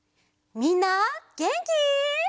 みんなげんき？